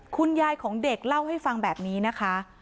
คุณยายของเด็กเล่าให้ฟังแบบนี้นะคะ